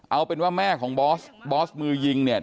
เอาเป็นว่าแม่ของบอสบอสมือยิงเนี่ย